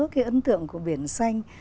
cái ấn tượng của biển xanh